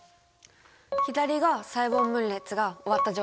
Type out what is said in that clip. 左が細胞分裂が終わった状態ですね。